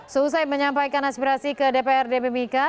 selesai menyampaikan aspirasi ke dprd mimika